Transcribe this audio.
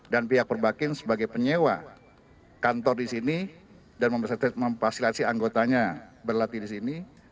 dan pihak perbakir sebagai penyewa kantor di sini dan memfasilitasi anggotanya berlatih di sini